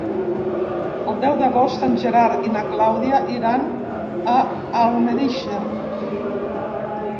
El deu d'agost en Gerard i na Clàudia iran a Almedíxer.